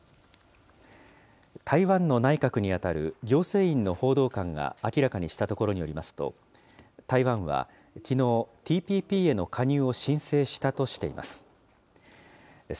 台湾の内閣に当たる行政院の報道官が明らかにしたところによりますと、台湾はきのう、ＴＰＰへの加入を申請したとしています。